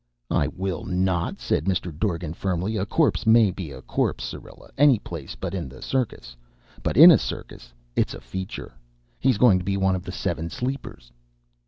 "I will not," said Mr. Dorgan firmly. "A corpse may be a corpse, Syrilla, any place but in a circus, but in a circus it is a feature. He's goin' to be one of the Seven Sleepers."